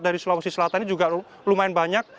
dari sulawesi selatan ini juga lumayan banyak